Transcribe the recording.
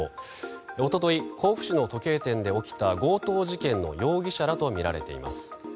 一昨日、甲府市の時計店で起きた強盗事件の容疑者らとみられています。